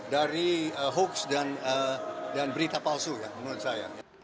dari hoax dan berita palsu ya menurut saya